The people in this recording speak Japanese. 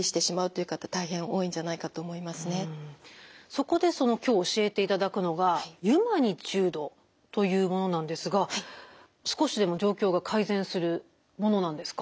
そこでその今日教えていただくのがユマニチュードというものなんですが少しでも状況が改善するものなんですか？